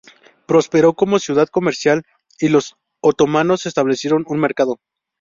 Prosperó como ciudad comercial y los otomanos establecieron un mercado.